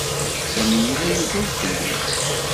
Sami yella yuggad fell-i.